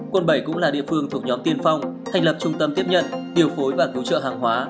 quận bảy cũng là địa phương thuộc nhóm tiên phong thành lập trung tâm tiếp nhận điều phối và cứu trợ hàng hóa